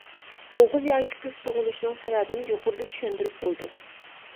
ئوغۇل ياكى قىز تۇغۇلۇشنىڭ سەۋەبىنى يۇقىرىدا چۈشەندۈرۈپ بولدۇق.